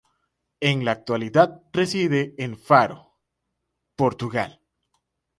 En la actualidad reside en Faro, Portugal.